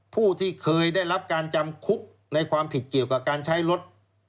ผู้ที่เคยได้รับการจำคุกในความผิดเกี่ยวกับการใช้รถ